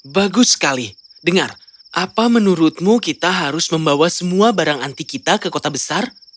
bagus sekali dengar apa menurutmu kita harus membawa semua barang anti kita ke kota besar